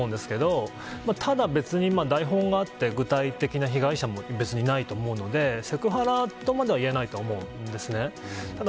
戦略上はうまくもないと思うんですけどただ別に、台本があって具体的な被害者もいないと思うのでセクハラとまでは言えないと思うんですね。